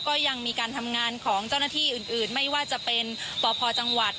ก็ยังมีการทำงานของเจ้าหน้าที่อื่นไม่ว่าจะเป็นปพจังหวัด